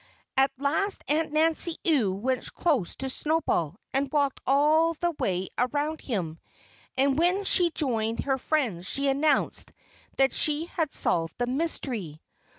At last Aunt Nancy Ewe went close to Snowball and walked all the way around him. And when she joined her friends she announced that she had solved the mystery.